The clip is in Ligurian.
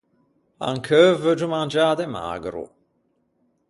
Ancheu veuggio mangiâ de magro.